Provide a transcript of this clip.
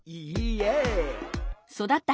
え！